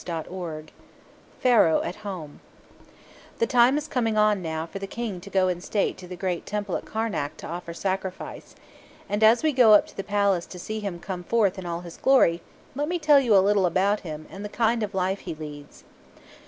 CHAPTER IV PHARAOH AT HOME The time is coming on now for the King to go in state to the great temple at Karnak to offer sacrifice, and as we go up to the palace to see him come forth in all his glory, let me tell you a little about him and the kind of life he leads.